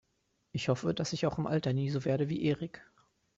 Ich hoffe, dass ich auch im Alter nie so werde wie Erik.